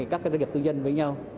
các doanh nghiệp tư nhân với nhau